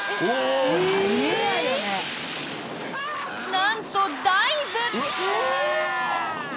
なんと、ダイブ！